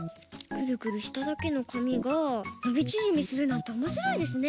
クルクルしただけのかみがのびちぢみするなんておもしろいですね。